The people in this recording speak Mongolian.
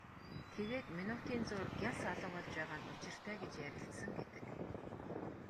Тэгээд минутын зуур гялс алга болж байгаа нь учиртай гэж ярилцсан гэдэг.